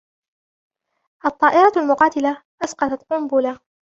الطائرة المقاتلة أسقطت قنبلة.